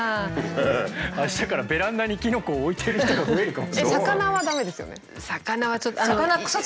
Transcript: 明日からベランダにキノコを置いてる人が増えるかもしれない。